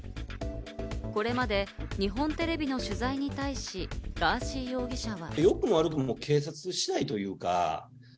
これまで日本テレビの取材に対し、ガーシー容疑者は。